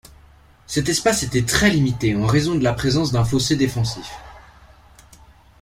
Cet espace était été très limité en raison de la présence d'un fossé défensif.